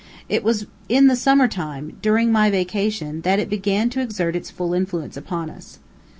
It was in the summer time, during my vacation, that it began to exert its full influence upon us.